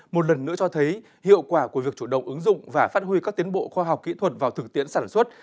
một lần nữa cho thấy hiệu quả của việc chủ động ứng dụng và phát huy các tiến bộ khoa học kỹ thuật vào thực tiễn sản xuất